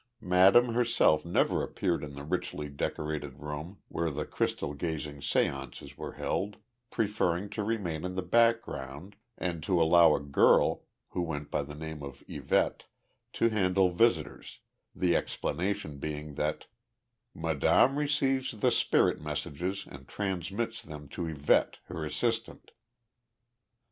Madame herself never appeared in the richly decorated room where the crystal gazing séances were held, preferring to remain in the background and to allow a girl, who went by the name of Yvette, to handle visitors, the explanation being that "Madame receives the spirit messages and transmits them to Yvette, her assistant."